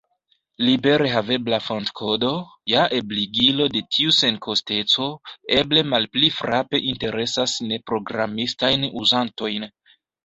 Libere havebla fontkodo, ja ebligilo de tiu senkosteco, eble malpli frape interesas neprogramistajn uzantojn.